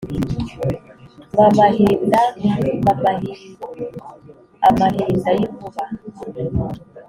Mamahinda mamahi-Amahinda y'inkuba.